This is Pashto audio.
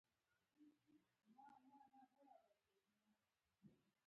دا کار ټولنیز مقصدونه هم لرل.